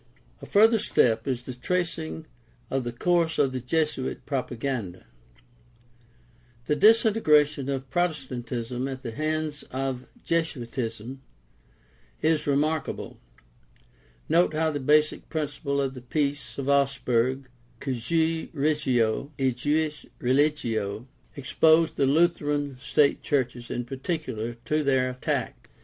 — A further step is the tracing of the course of the Jesuit propaganda. The disintegration of Protestant ism at the hands of Jesuitism is remarkable. Note how the basic principle of the Peace of Augsburg, Cujus regio, ejus religio, exposed the Lutheran state churches in particular to their attack.